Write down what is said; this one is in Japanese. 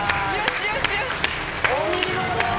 よし！